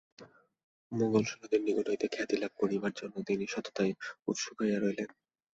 মোগলসৈন্যদের নিকট হইতে খ্যাতি লাভ করিবার জন্য তিনি সততই উৎসুক হইয়া রহিলেন।